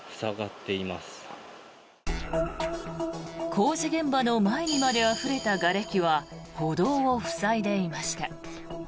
工事現場の前にまであふれたがれきは歩道を塞いでいました。